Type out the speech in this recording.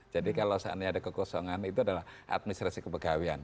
jadi kalau saatnya ada kekosongan itu adalah administrasi kepegawian